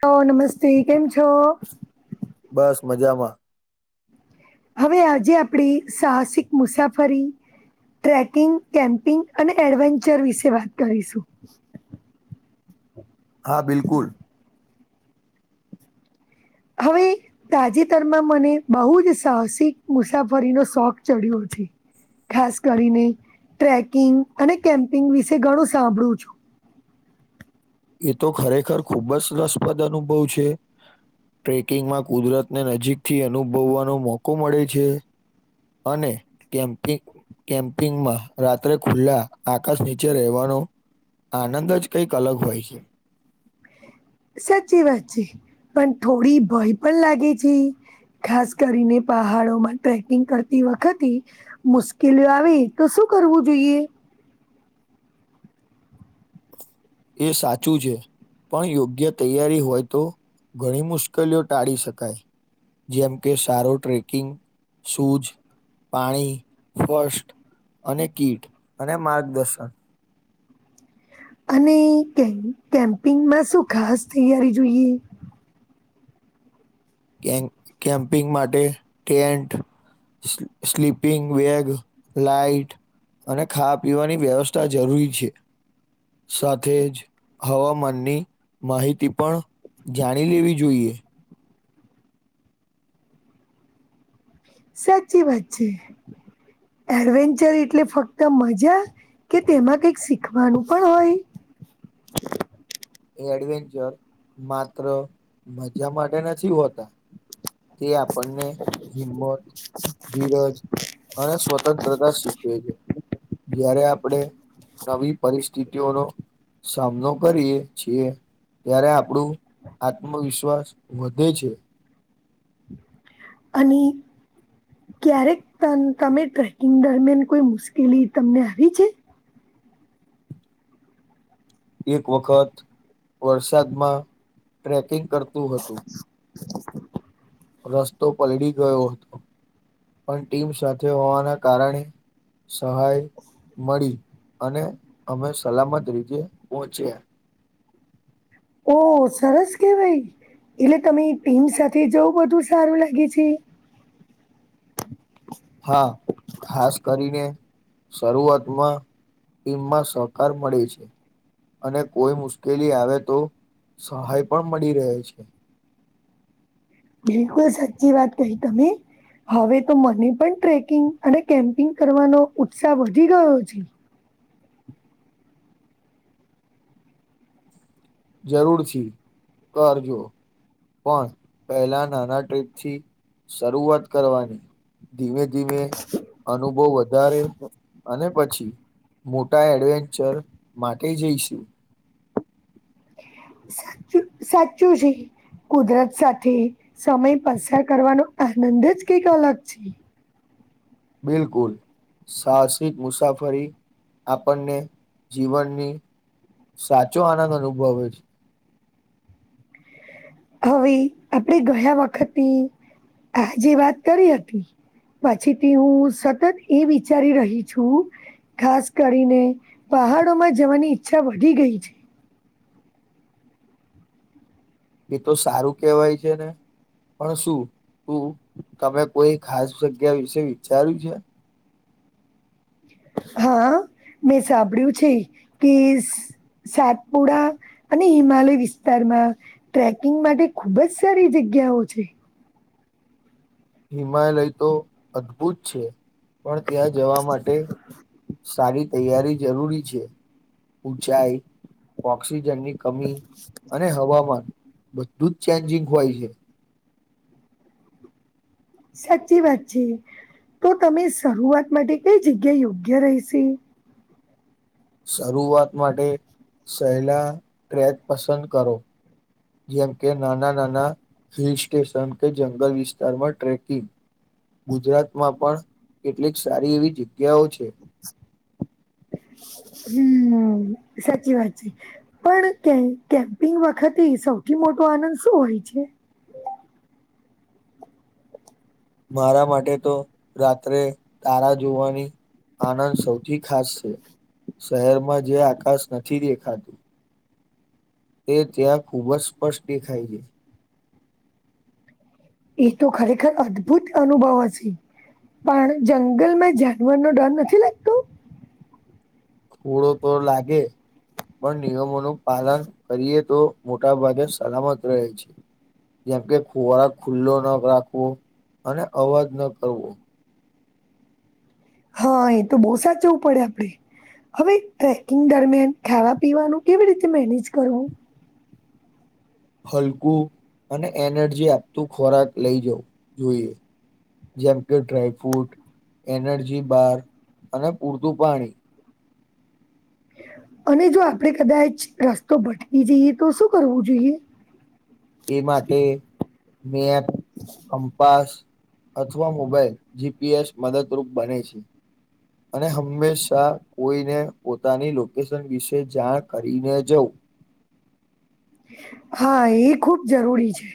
હ નમસ્તી કેમ છો બસ મજામાં હવે આજે આપડી સાહસિક મુસાફરી ટ્રેકિંગ કેમ્પિંગ અને એડવેન્ચર વિશે વાત કરીશું હા બિલકુલ હવે તાજેતરમાં મને બહુ જ સાહસિક મુસાફરીનો શોખ ચડ્યો છે ખાસ કરીને ટ્રેકિંગ અને કેમ્પિંગ વિશે ઘણું સાંભળું છું એ તો ખરેખર ખુબ જ રસપદ અનુભવ છે ટ્રેકિંગમાં કુદરતને નજીકથી અનુભવવાનો મોકો મળે છે અને કેમપિ કેમ્પિંગમાં રાત્રે ખુલ્લા આકાશ નીચે રહેવાનો આનંદ જ કંઈક અલગ હોય છે. સાચી વાત છે પણ થોડી ભય પણ લાગે છે. ખાસ કરીને પહાડોમાં ટ્રેકિંગ કરતી વખતે મુશ્કેલી આવી તો શું કરવું જોઈએ એ સાચું છે. પણ યોગ્ય તૈયારી હોય તો ઘણી મુશ્કેલીઓ ટાળી શકાય. જેમ કે સારો ટ્રેકિંગ સૂઝ પાણી ફસ્ટ અને કીટ અને માર્ગદર્શન અને કે કેમ્પિંગમાં શું ખાસ તૈયારી જોઈએ. કે કેમ્પિંગ માટે ટેન્ટ સ્લીપિંગ વેગ લાઇટ અને ખાવા પીવાની વ્યવસ્થા જરૂરી છે સાથે જ હવામાનની માહિતી પણ જાણી લેવી જોઈએ. સાચી વાત છે એડવેન્ચર એટલે ફક્ત મજા કે તેમાં કઈક શીખવાનું પણ હોય એ એડવેન્ચર માત્ર મજા માટે નથી હોતા તે આપણને હિંમત ધીરજ અને સ્વતંત્રતા શીખવે છે. જયારે આપણે નવી પરિસ્થિતિઓનો સામનો કરીએ છીએ ત્યારે આપણું આત્મવિશ્વાસ વધે છે. અને ક્યારેક ત તમે ટ્રેકિંગ દરમિયાન કોઈ મુશ્કેલી તમને આવી છે. એક વખત વરસાદમાં ટ્રેકિંગ કરતું હતું રસ્તો પલળી ગયો હતો પણ ટીમ સાથે હોવાના કારણે સહાય મળી અને અમે સલામત રીતે પહોંચ્યા ઓ સરસ કેવાય એટલે તમે ટીમ સાથે જવું બધું સારું લાગે છે. હા ખાસ કરીને શરૂઆતમાં ટીમમાં સહકાર મળે છે. અને કોઈ મુશ્કેલી આવે તો સહાય પણ મળી રહે છે. બિલકુલ સાચી વાત કહી તમે હવે તો મને પણ ટ્રેકિંગ અને કેમ્પિંગ કરવાનો ઉત્સાહ વધી ગયો છે. જરૂરથી કરજો પણ પહેલા નાના ટ્રીપ થી શરૂઆત કરવાની ધીમે ધીમે અનુભવ વધારે અને પછી મોટા એડવેન્ચર માટે જઈશું [inaudible] [unintelligible] સાચું જી કુદરત સાથે સમય પસાર કરવાનો આનંદ જ કઈક અલગ છે. બિલકુલ સાહસિક મુસાફરી આપણને જીવનની સાચો આનંદ અનુભવ હો છે. હવે આપણે ગયા વખતની આજે વાત કરી હતી પછીથી હું સતત એ વિચારી રહી છું. ખાસ કરીને પહાડોમાં જવાની ઈચ્છા વધી ગઈ છે. એ તો સારું કેવાય છે ને [inaudible] શું તું તમે કોઈ ખાસ જગ્યા વિશે વિચાર્યું છે. હા મેં સાંભળ્યું છે [unintelligible] સાતપુડા અને હિમાલય વિસ્તારમાં ટ્રેકિંગ માટે ખુબજ સારી જગ્યાઓ છે. હિમાલય તો અદભુત છે. પણ ત્યાં જવા માટે સારી તૈયારી જરૂરી છે ઉઊંચાઈ ઓક્સિજનની કમી અને હવામાન બધુંજ ચેન્જિંગ હોય છે. સાચી વાત છે તો તમે શરૂઆત માટે કઈ જગ્યા યોગ્ય રહેશે. શરૂઆત માટે સહેલા ટ્રેક પસંદ કરો. જેમ કે નાના નાના હિલ સ્ટેશન કે જંગલ વિસ્તારમાં ટ્રેકિંગ ગુજરાતમાં પણ કેટલીક સારી એવી જગ્યાઓ છે. હમ સાચી વાત છે. પણ કે કેમ્પિંગ વખતે સૌથી મોટો આનંદ શું હોય છે. મારા માટે તો રાત્રે તારા જોવાની. આનંદ સૌથી ખાસ છે શહેરમાં જે આકાશ નથી દેખાતું. તે ત્યાં ખુબજ સ્પષ્ટ દેખાય છે. એતો ખરેખર અદ્ભુત અનુભવ હશે. પણ જંગલમાં જાનવરનો ડર નથી લાગતો. થોડો તો લાગે પણ નિયમોનું પાલન કરીએ તો મોટા ભાગે સલામત રહે છે. જેમ કે ખોરાક ખુલ્લો ન રાખવો અને અવાજ ન કરવો. હા એતો બહુ સાચવું પડે [unintelligible] હવે ટ્રેકિંગ દરમિયાન ખાવા પીવાનું કેવી રીતે મેનેજ કરવું. હલકું અને એનર્જી આપતું ખોરાક લઈ જવુ જોઈએ. જેમ કે ડ્રાયફ્રૂટ એનર્જી બાર અને પૂરતું પાણી. અને જો આપડે કદાચ રસ્તો ભટકી જઈએ તો શું કરવું જોઈએ. એ માટે મેં એક કંપાસ અથવા મોબાાઈલ જીપીએસ મદદરૂપ બને છે. અને હંમેશા કોઈને પોતાની લોકેશન વિશે જાણ કરીને જવુ. હા એ ખુબ જરૂરી છે.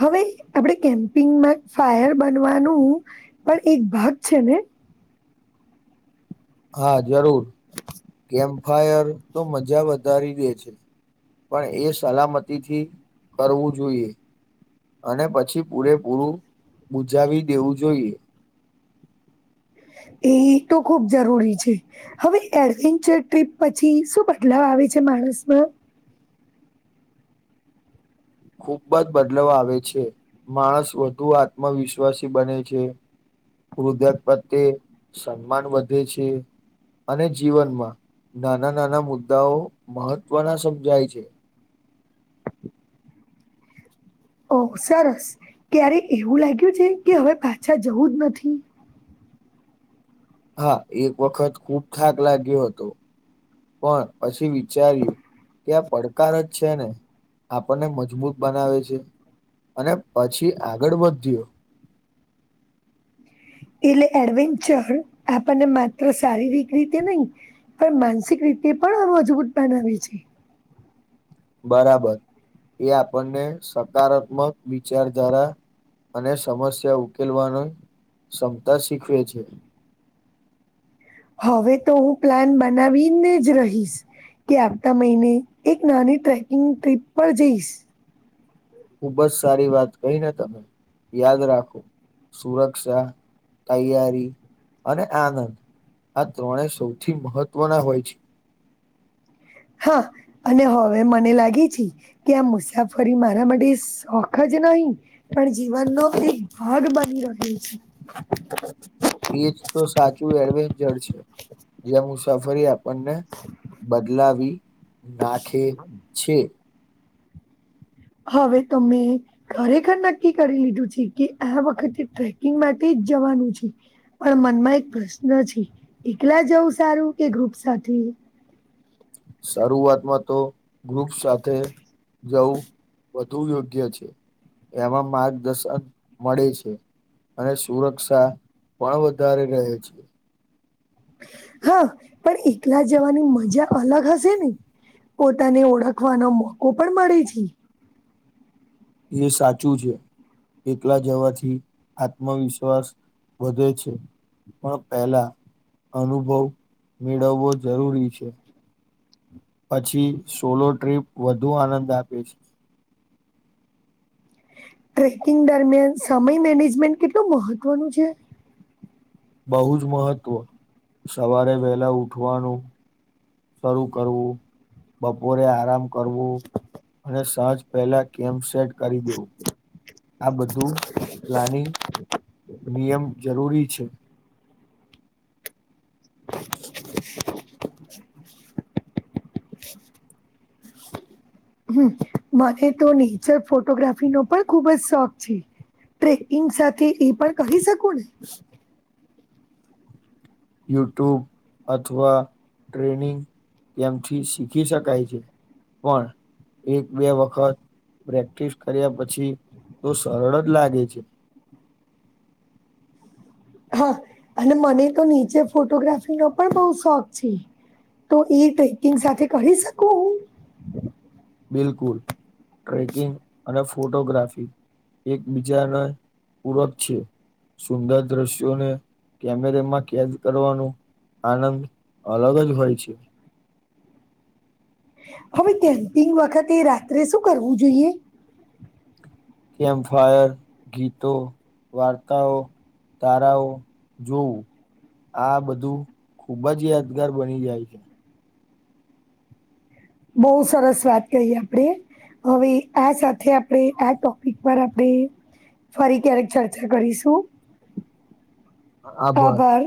હવે આપણેે કેમ્પિંગમાં ફાયર બનવાનું પણ એક ભાગ છે ને હા જરૂર કેમ્પ ફાયર તો મજા વધારી દે છે. પણએ સલામતથી કરવું જોઈએ. અને પછી પૂરેપૂરું બુજાવી દેવું જોઈએ. એતો ખુબ જરૂરી છે. હવે એડવેન્ચર ટ્રીપ પછી શું બદલાવ આવે છે માણસમાં. ખુબજ બદલાવ આવે છે. માણસ વધુ આત્મવિશ્વાસી બને છે. કૃદપ્રત્યે સન્માન વધે છે. અને જીવનમાં નાના નાના મુદ્દાઓ મહત્વના સમજાય છે. ઓ સરસ ક્યારે એવું લાગ્યું છે કે હવે પાછા જવુંજ નથી. હા એક વખત ખુબ થાક લાગ્યો હતો. પણ પછી વિચાર્યું કે આ પડકારજ છે ને આપણને મજબૂત બનાવે છે અને પછી આગળ વધ્યો. એટલે એડવેન્ચર આપણને માત્ર શારીરિક રીતે નહી પણ માનસિક રીતે પણ મજબૂત બનાવે છે. બરાબર એ આપણને સકારાત્મક વિચારધારા અને સમસ્યા ઉકેલવાની ક્ષમતા શીખવે છે હવે તો હું પ્લાન બનાવીને જ રહીશ કે આવતા મહિને એક નાની ટ્રેકિંગ ટ્રીપ પર જઈશ ખુબ જ સારી વાત કહી ને તમે યાદ રાખો સુરક્ષા તૈયારી અને આનંદ આ ત્રણે સૌથી મહત્વના હોય છે. હા, અને હવે મને લાગે છે. કે આ મુસાફરી મારા માટે સોખ જ નહી પણ જીવનનો એક ભાગ બની રહ્યો છે. એજ તો સાચું એડવેન્ચર છે જ્યાં મુસાફરી આપ આપને બદલાવી નાખે છે. હવે તમે ખરેખર નક્કી કરી લીધું છે કે આ વખતે ટ્રેકિંગ માટે જ જવાનું છે, પણ મનમાં એક પ્રશ્ન છે એકલા જવું સારું કે ગ્રુપ સાથે શારુઆતમાં તો ગ્રુપ સાથે જવું વધુ યોગ્ય છે, એમાં માર્ગદર્શન મળે છે. અને સુરક્ષા પણ વધારે રહે છે, હા, પણ એકલા જવાની મજા અલગ હશે ને. પોતાને ઓળખવાનો મોકો પણ મળે છે, એ સાચું છે, કેટલા જવાથી આત્મવિશ્વાસ વધે છે, પણ પહેલા અનુભવ મેળવવો જરૂરી છે, પછી સોલો ટ્રીપ વધુ આનંદ આપે છે. ટ્રેકિંગ દરમિયાન સમય મેનેજમેન્ટ કેટલું મહત્વનું છે. બહુ જ મહત્વ સવારે વહેલા ઉઠવાનું શરૂ કરવું બપોરે આરામ કરવું અને સાજ પહેલા કેમ સેટ કરી દેવું આ બધું પ્લાનિંગ નિયમ જરૂરી છે, મને તો નેચર ફોટોગ્રાફીનો પણ ખુબ જ શોખ છે. ટ્રેકિંગ સાથે એ પણ કહી શકું ને? યુટ્યુબ અથવા ટ્રેનિંગ કેમથી શીખી શકાય છે. પણ એક બે વખત પ્રેક્ટિસ કર્યા પછી તો સરળ જ લાગે છે. હા, અને મને તો નીચે ફોટોગ્રાફી નો પણ બહ શોખ છે, તો ઈ ટ્રેકિંગ સાથે કરી શકું હું? બિલકુલ ટ્રેકિંગ અને ફોટોગ્રાફી એકબીજાને પૂરક છે. સુંદર દ્રશ્યોને કેમેરા માં કેદ કરવાનું આનંદ અલગ જ હોય છે, હવે કેમ્પિંગ વખતે રાત્રે શું કરવું જોઈએ? કેમ્પ ફાયર ગીતો વાર્તાઓ, તારાઓ જોવું આ બધું ખુબ જ યાદગાર બની જાય છે, બહુ સરસ વાત કહીએ આપણેે, હવે આ સાથે આપણે આ ટોપિક પર આપણે ફરી ક્યારેક ચર્ચા કરીશું. આબો આભાર